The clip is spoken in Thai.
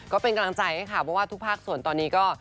ก็เป็นกำลังใจให้ค่ะเพราะว่าทุกภาคส่วนตอนนี้ก็